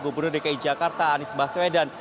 gubernur dki jakarta nisbah suedan